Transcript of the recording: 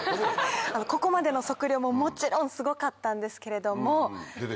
ここまでの測量ももちろんすごかったんですけれども。